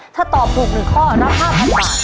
ถ้าตอบถูก๑ข้อรับ๕๐๐บาท